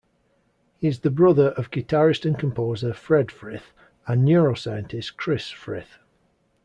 He is the brother of guitarist and composer Fred Frith and neuroscientist Chris Frith.